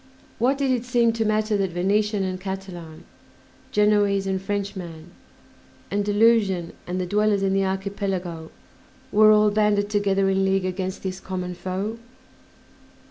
What did it seem to matter that Venetian and Catalan, Genoese and Frenchman, Andalusian and the dwellers in the Archipelago, were all banded together in league against this common foe?